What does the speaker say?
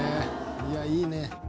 いやいいね」